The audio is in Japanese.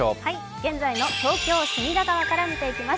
現在の東京・隅田川から見ていきます。